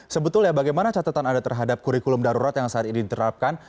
sebetulnya bagaimana catatan anda terhadap kurikulum darurat yang saat ini diterapkan